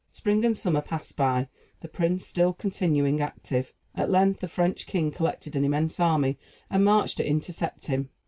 Spring and summer passed by the prince still continuing active. At length, the French king collected an immense army, and marched to intercept him.